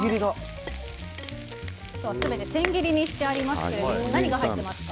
今日は全て千切りにしてありますけど何が入ってますか？